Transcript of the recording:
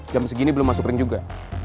jam segini belum masuk ring juga